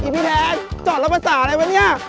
พี่แทงจอดรับประสาทอะไรวะเนี่ย